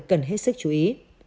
cần hết sức chú ý